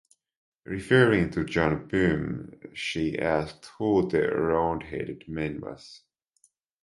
Referring to John Pym, she asked who the roundheaded man was.